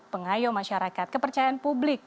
pengayo masyarakat kepercayaan publik